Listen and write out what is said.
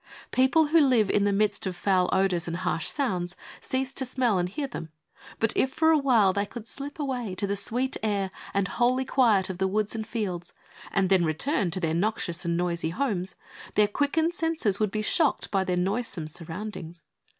People who live in the midst of foul odours and harsh sounds cease to smell and hear them, but if for a while they could slip away to the sweet air and holy quiet of the woods and fields, and then return to their noxious and noisy homes, their quickened senses would be shocked by their noisome surroundings.